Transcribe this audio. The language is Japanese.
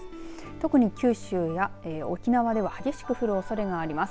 特に九州や沖縄では激しく降るおそれがあります。